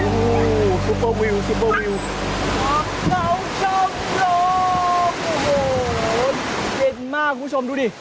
ซิปเปอร์วิวซิปเปอร์วิวข้ามเขาช่องลมเย็นมากคุณผู้ชมดูดิ